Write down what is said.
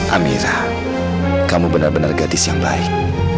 amira kamu benar benar gadis yang baik